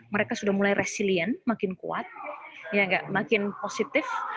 mereka sudah mulai resilient makin kuat makin positif